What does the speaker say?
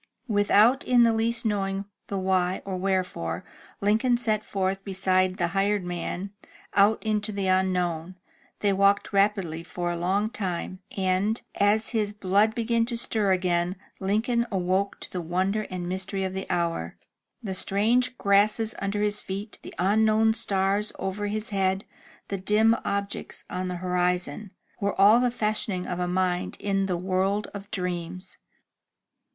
'* Without in the least knowing the why or wherefore, Lincoln set forth beside the hired man, out into the unknown. They walked rapidly for a long time, and, as his blood began to stir again, Lincoln awoke to the wonder and mystery of the hour. The strange grasses under his feet, the imknown stars over his head, the dim objects on the horizon, were all the fashioning of a mind in the world of dreams.